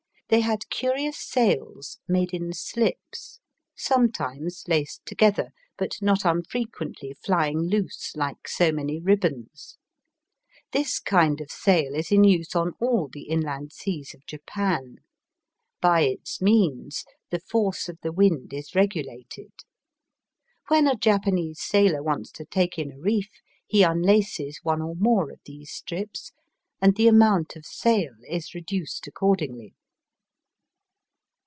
They had curious sails made in slips, sometimes laced together, but not unfrequently flying loose, like so many ribbons. This kind of sail is in use on all the inland seas of Japan. By its means the force of the wind is regulated. When a Japanese sailor wants to take in a reef he unlaces one or more of these strips and the amount of sail is reduced accordingly.